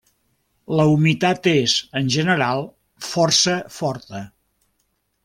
La humitat és en general força forta.